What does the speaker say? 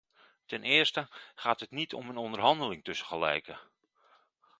Ten eerste gaat het niet om een onderhandeling tussen gelijken.